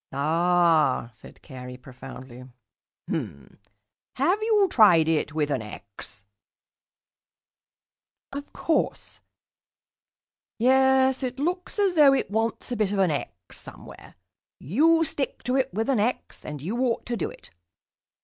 "Ah," said Carey profoundly. "H'm. Have you tried it with an 'x'?" "Of course." "Yes, it looks as though it wants a bit of an 'x' somewhere. You stick to it with an 'x' and you ought to do it.